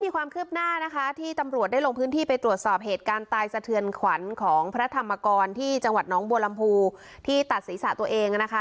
ความคืบหน้านะคะที่ตำรวจได้ลงพื้นที่ไปตรวจสอบเหตุการณ์ตายสะเทือนขวัญของพระธรรมกรที่จังหวัดน้องบัวลำพูที่ตัดศีรษะตัวเองนะคะ